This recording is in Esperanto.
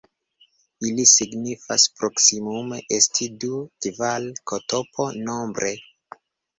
Ili signifas proksimume 'esti du, kvar ktp nombre'.